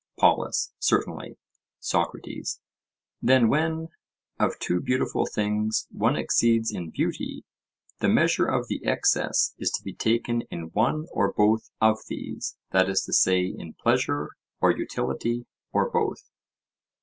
POLUS: Certainly. SOCRATES: Then when of two beautiful things one exceeds in beauty, the measure of the excess is to be taken in one or both of these; that is to say, in pleasure or utility or both?